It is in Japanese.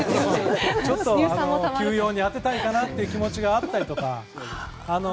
ちょっと休養に当てたい気持ちがあったりとか。